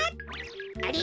あれ？